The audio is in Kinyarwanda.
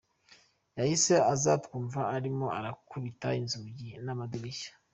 Yahise aza twumva arimo arakubita inzugi n’amadirishya.